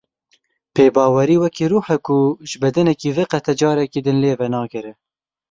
Pêbawerî wekî ruh e ku ji bedenekê veqete careke din lê venagere.